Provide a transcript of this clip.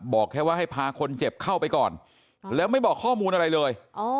บอกแค่ว่าให้พาคนเจ็บเข้าไปก่อนแล้วไม่บอกข้อมูลอะไรเลย